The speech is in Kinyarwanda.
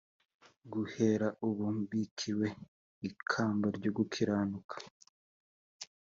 guhera ubu mbikiwe ikamba ryo gukiranuka